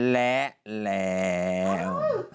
และแล้ว